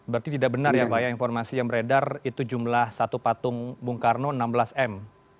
berarti tidak benar ya pak ya informasi yang beredar itu jumlah satu patung bung karno enam belas m